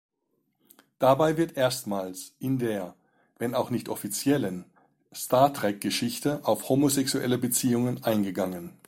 Dabei wird erstmals in der, wenn auch nicht offiziellen, Star-Trek-Geschichte auf homosexuelle Beziehungen eingegangen.